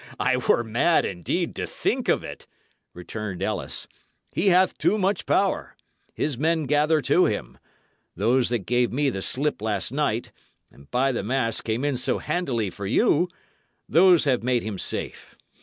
"I were mad, indeed, to think of it," returned Ellis. "He hath too much power; his men gather to him; those that gave me the slip last night, and by the mass came in so handily for you those have made him safe.